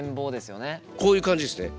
こういう感じですね。